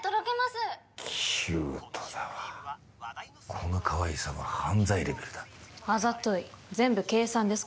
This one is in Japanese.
このかわいさは犯罪レベルだあざとい全部計算です